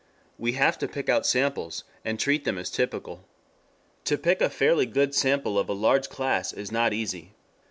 We have to pick out samples, and treat them as typical. To pick fairly a good sample of a large class is not easy.